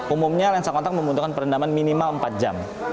umumnya lensa kontak membutuhkan perendaman minimal empat jam